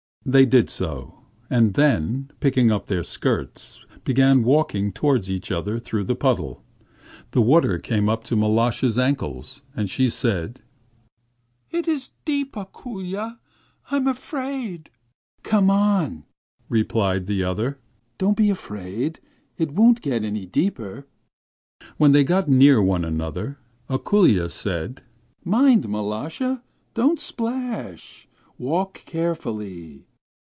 They did so; and then, picking up their skirts, began walking towards each other through the puddle. The water came up to Mal√°sha's ankles, and she said: 'It is deep, Ako√∫lya, I'm afraid!' 'Come on,' replied the other. 'Don't be frightened. It won't get any deeper.' When they got near one another, Ako√∫lya said: 'Mind, Mal√°sha, don't splash. Walk carefully!'